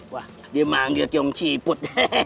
wah dia manggil tiong ciput